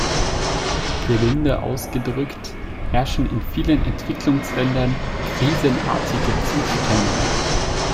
Gelinde ausgedrückt herrschen in vielen Entwicklungsländern krisenartige Zustände.